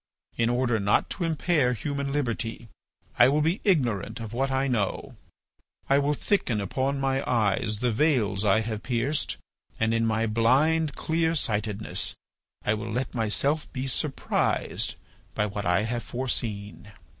"In order not to impair human liberty, I will be ignorant of what I know, I will thicken upon my eyes the veils I have pierced, and in my blind clearsightedness I will let myself be surprised by what I have foreseen."